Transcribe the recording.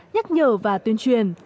nhắc nhở và tuyên truyền